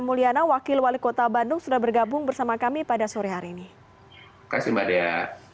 mulyana wakil wali kota bandung sudah bergabung bersama kami pada sore hari ini kasih mbak dea